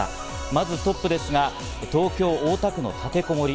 まずトップですが、東京・大田区の立てこもり。